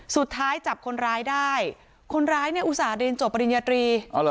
สุดท้ายจับคนร้ายได้คนร้ายเนี่ยอุตส่าห์เรียนจบปริญญาตรี